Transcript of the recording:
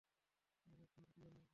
আরে ঘাবড়িয়েন না।